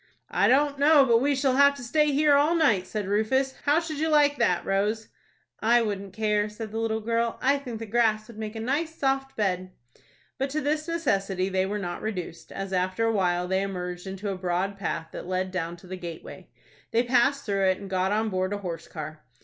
"I don't know but we shall have to stay here all night," said Rufus. "How should you like that, Rose?" "I wouldn't care," said the little girl. "I think the grass would make a nice soft bed." But to this necessity they were not reduced, as after a while they emerged into a broad path that led down to the gateway. They passed through it, and got on board a horse car.